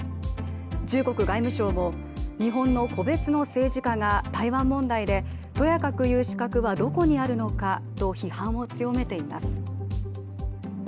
中国外務省も、日本の個別の政治家が台湾問題でとやかく言う資格はどこにあるのかと批判を強めています。